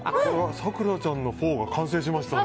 咲楽ちゃんのフォーが完成しましたね。